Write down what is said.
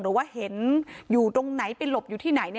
หรือว่าเห็นอยู่ตรงไหนไปหลบอยู่ที่ไหน